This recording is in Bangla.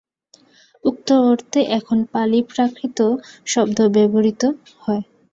উক্ত অর্থে এখন পালি-প্রাকৃত শব্দ ব্যবহূত হয়।